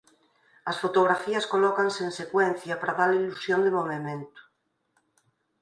As fotografías colócanse en secuencia para dar a ilusión de movemento.